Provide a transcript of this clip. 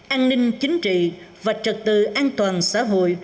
an ninh chính trị và trật tự an toàn xã hội